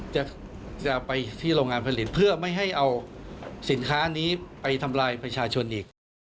จะไปที่โรงงานผลิตเพื่อไม่ให้เอาสินค้านี้ไปทำลายประชาชนอีก